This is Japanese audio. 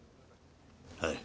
はい。